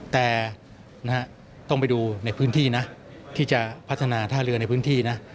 แต่ต้องไปดูในพื้นที่นะที่จะพัฒนาท่าเรือในพื้นที่นะ